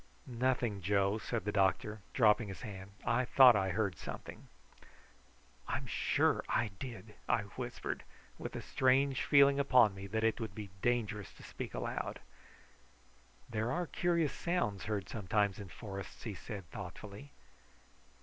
"Nothing, Joe," said the doctor, dropping his hand. "I thought I heard something." "I'm sure I did," I whispered, with a strange feeling upon me that it would be dangerous to speak aloud. "There are curious sounds heard sometimes in forests," he said thoughtfully.